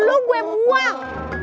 lu gue buang